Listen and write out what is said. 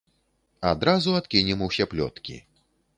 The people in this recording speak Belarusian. Адразу адкінем усе плёткі.